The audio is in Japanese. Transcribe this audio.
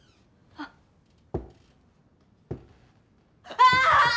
ああ！